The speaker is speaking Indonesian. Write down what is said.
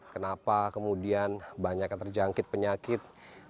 kenapa kemudian banyak yang terjangkit penyakit